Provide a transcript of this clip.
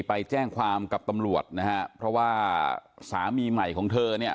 ไปแจ้งความกับตำรวจนะฮะเพราะว่าสามีใหม่ของเธอเนี่ย